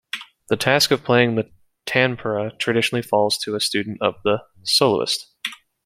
The task of playing the tanpura traditionally falls to a student of the soloist.